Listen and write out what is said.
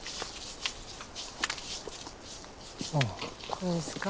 ここですか？